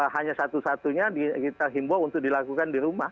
hanya satu satunya kita himbau untuk dilakukan di rumah